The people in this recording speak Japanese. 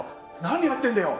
何やってんだよ！